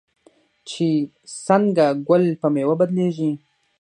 چې څنګه ګل په میوه بدلیږي.